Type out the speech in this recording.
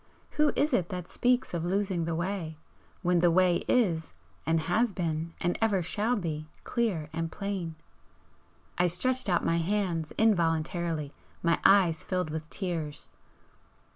Who is it that speaks of losing the way, when the way is, and has been and ever shall be, clear and plain?" I stretched out my hands involuntarily. My eyes filled with tears.